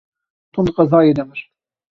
Tom di qezayê de mir.